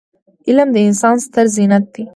علم د انسان ستره زينت دی.